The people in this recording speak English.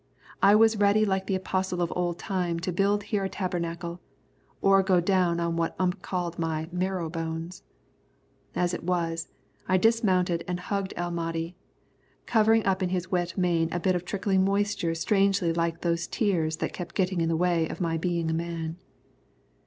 I was ready like the apostle of old time to build here a tabernacle, or to go down on what Ump called my "marrow bones." As it was, I dismounted and hugged El Mahdi, covering up in his wet mane a bit of trickling moisture strangely like those tears that kept getting in the way of my being a man.